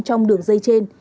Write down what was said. trong đường dây trên